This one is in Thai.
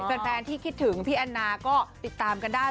แฟนที่คิดถึงพี่แอนนาก็ติดตามกันได้